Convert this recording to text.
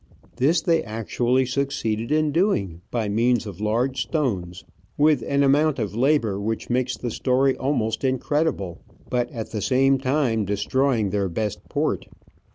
This they actually succeeded in doing by means of large stones, with an amount of labour which makes the story almost incredible, but at the same time destroying their best port.